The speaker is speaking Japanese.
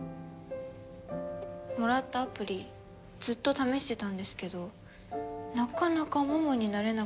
もらったアプリずっと試してたんですけどなかなかモモになれなくて。